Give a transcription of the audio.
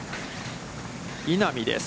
稲見です。